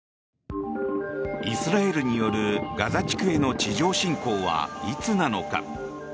イスラエルによるガザ地区への地上侵攻はいつなのか。